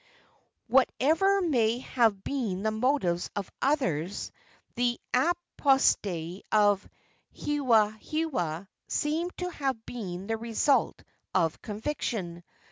Whatever may have been the motives of others, the apostasy of Hewahewa seems to have been the result of conviction.